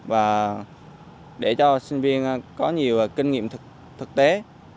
và để cho sinh viên có nhiều kinh nghiệm thực tế